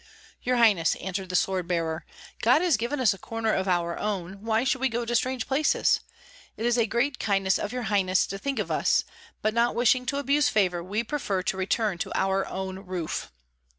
"Your highness," answered the sword bearer, "God has given us a corner of our own; why should we go to strange places? It is a great kindness of your highness to think of us: but not wishing to abuse favor, we prefer to return to our own roof."